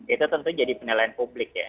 itu tentu jadi penilaian publik ya